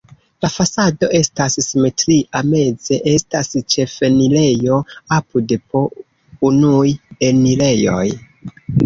La fasado estas simetria, meze estas la ĉefenirejo, apude po unuj enirejoj.